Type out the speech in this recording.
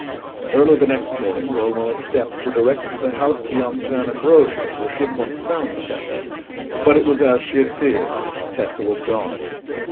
Early the next morning Romola's steps were directed to the house beyond San Ambrogio where she had once found Tessa; but it was as she had feared: Tessa was gone.